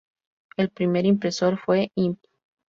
El primer impresor fue "Imp.